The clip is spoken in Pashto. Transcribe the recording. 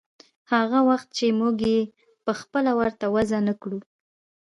هغه وخت چې موږ يې پخپله ورته وضع نه کړو.